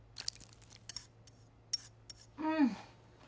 うん。